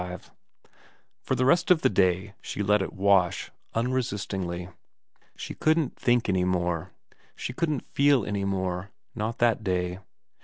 XXV FOR the rest of that day she let it wash ; unresistingly. She couldn't think any more. She couldn't feel any more, not that day.